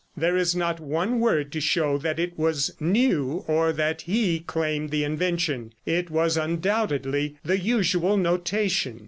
There is not one word to show that it was new, or that he claimed the invention. It was undoubtedly the usual notation.